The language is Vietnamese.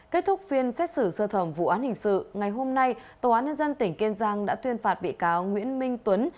kết thúc phiên xét xử sơ thẩm vụ án hình sự ngày hôm nay tòa án nhân dân tỉnh kiên giang đã tuyên phạt bị cáo nguyễn minh tuấn